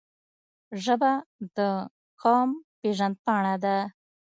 ژبه د قوم پېژند پاڼه ده